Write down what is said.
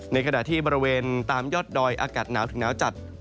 ในขณะที่บริเวณตามยอดดอยอากาศหนาวถึงหนาวจัด